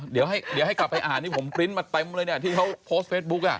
เดี๋ยวให้กลับไปอ่านนี่ผมปริ้นต์มาเต็มเลยเนี่ยที่เขาโพสต์เฟซบุ๊ก